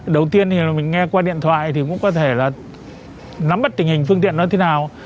đầu tiên thì mình nghe qua điện thoại thì cũng có thể là nắm bắt tình hình phương tiện nó thế nào